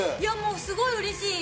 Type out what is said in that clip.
すごいうれしい！